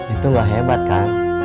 itu nggak hebat kan